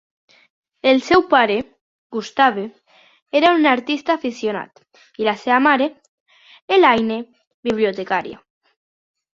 El seu pare, Gustave, era un artista aficionat i la seva mare, Elaine, bibliotecària.